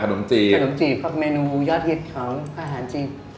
ขนมจิตมีเมนูยอดฮิตของอาหารจิต